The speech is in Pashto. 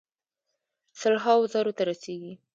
سل هاوو زرو ته رسیږي.